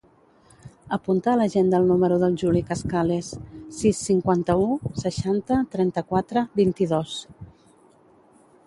Apunta a l'agenda el número del Juli Cascales: sis, cinquanta-u, seixanta, trenta-quatre, vint-i-dos.